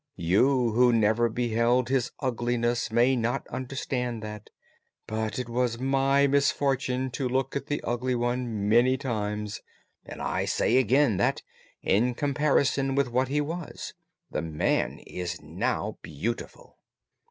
You, who never beheld his ugliness, may not understand that; but it was my misfortune to look at the Ugly One many times, and I say again that, in comparison with what he was, the man is now beautiful."